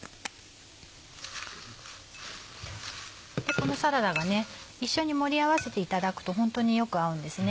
このサラダが一緒に盛り合わせていただくとホントによく合うんですね。